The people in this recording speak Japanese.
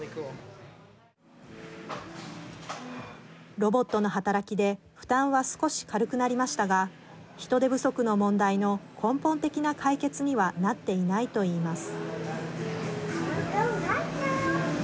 ロボットの働きで負担は少し軽くなりましたが人手不足の問題の根本的な解決にはなっていないといいます。